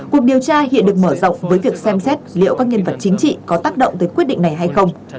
cuộc điều tra hiện được mở rộng với việc xem xét liệu các nhân vật chính trị có tác động tới quyết định này hay không